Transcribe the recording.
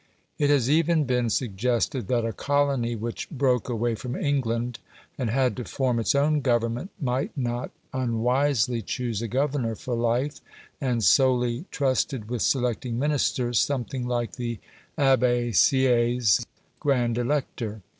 It has even been suggested that a colony which broke away from England, and had to form its own Government, might not unwisely choose a governor for life, and solely trusted with selecting Ministers, something like the Abbe Sieyes's grand elector.